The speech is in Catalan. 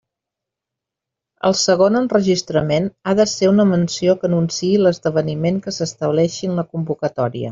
El segon enregistrament ha de ser una menció que anunciï l'esdeveniment que s'estableixi en la convocatòria.